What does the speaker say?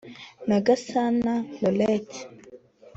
na Gasana Laurent